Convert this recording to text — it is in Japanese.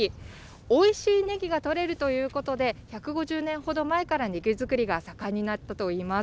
おいしいねぎがとれるということで、１５０年ほど前からねぎ作りが盛んになったといいます。